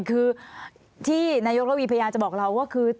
คือที่นายกระวีพยายามจะบอกเราก็คือ